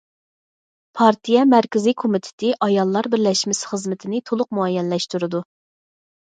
پارتىيە مەركىزىي كومىتېتى ئاياللار بىرلەشمىسى خىزمىتىنى تولۇق مۇئەييەنلەشتۈرىدۇ.